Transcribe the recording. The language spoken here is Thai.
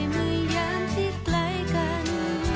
เมื่อย้างที่ใกล้กัน